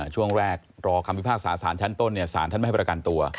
ช่วงแรกรอคำพิพากษาสารชั้นต้นสารท่านไม่ให้ประกันตัว